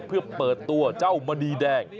เพื่อเปิดตัวเจ้ามณีแดง